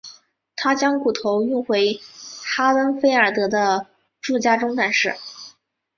他将骨头运回哈登菲尔德的住家中展示。